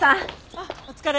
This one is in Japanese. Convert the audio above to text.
あっお疲れ。